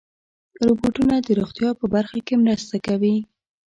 روبوټونه د روغتیا په برخه کې مرسته کوي.